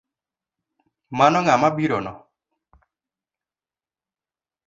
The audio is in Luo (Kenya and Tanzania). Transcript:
Mano ng’a mabirono?